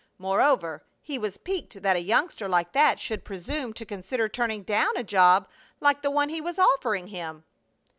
Moreover, he was piqued that a youngster like that should presume to consider turning down a job like the one he was offering him.